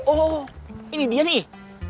oh ini dia nih